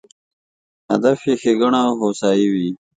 هدف یې ښېګڼه او هوسایي وي.